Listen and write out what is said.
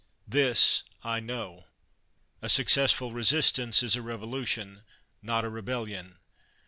This I know: a successful resistance is a revolution, not a re bellion!